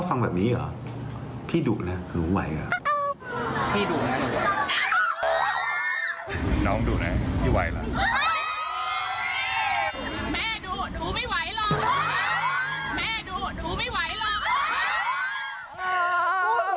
แม่ดุดุไม่ไหวเหรอ